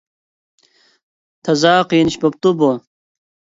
تازا قىيىن ئىش بولۇپتۇ بۇ!